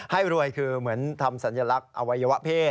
ให้รวยคือเหมือนทำสัญลักษณ์อวัยวะเพศ